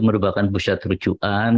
merupakan pusat tujuan